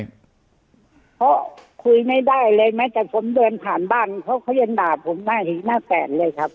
เขาคุยไม่ได้เลยไหมแต่ผมเดินผ่านบ้านเขาเขายังด่าผมหน้าที่หน้าแปดเลยครับ